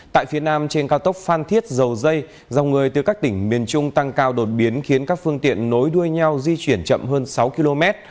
tại phía nam trên cao tốc phan thiết dầu dây dòng người từ các tỉnh miền trung tăng cao đột biến khiến các phương tiện nối đuôi nhau di chuyển chậm hơn sáu km